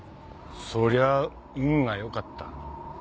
そりゃあ運が良かった。